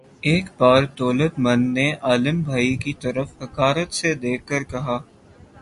ایک بار دولت مند نے عالم بھائی کی طرف حقارت سے دیکھ کر کہا